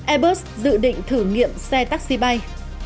airbus dự định thử nghiệm xe taxi bay